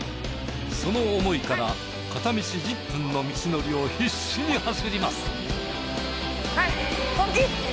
その思いから片道１０分の道のりを必死に走ります！